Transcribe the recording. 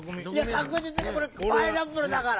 かくじつにこれ「パイナップル」だから！